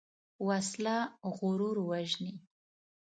وسله غرور وژني